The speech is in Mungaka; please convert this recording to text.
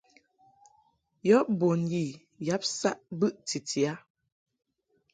Yɔ bun yi yab saʼ bɨʼ titi a.